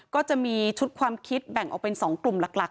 ก็จะมีความคิดแบ่งไปเป็นเกลียดหลัก